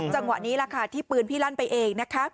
จังหวะนี้ที่ปืนพิลั่นไปเอง